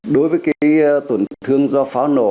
đối với cái tổn thương do pháo nổ